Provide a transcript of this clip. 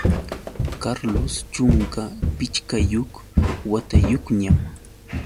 Carlos chunka pichqayuq watayuqñam.